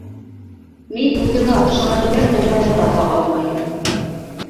Мин үҙемә оҡшаған бер нәмә лә таба алмайым